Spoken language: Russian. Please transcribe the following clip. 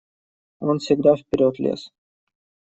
Он всегда вперед лезет.